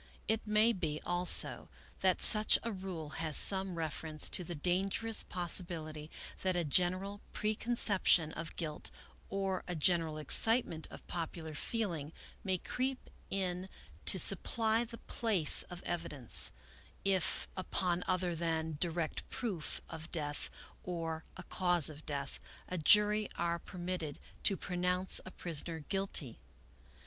It may be, also, that such a rule has some refer ence to the dangerous possibility that a general preconcep tion of guilt, or a general excitement of popular feeling, may creep in to supply the place of evidence, if, upon other than direct proof of death or a cause of death, a jury are permitted to pronounce a prisoner guilty.